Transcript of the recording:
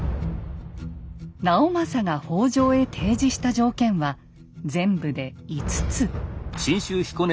直政が北条へ提示した条件は全部で５つ。